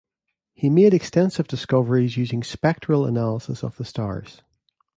He made extensive discoveries using spectral analysis of the stars.